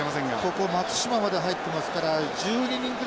ここ松島まで入ってますから１２人ぐらい。